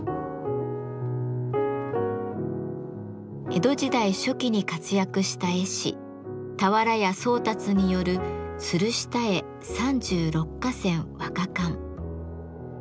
江戸時代初期に活躍した絵師俵屋宗達による「鶴下絵三十六歌仙和歌巻」。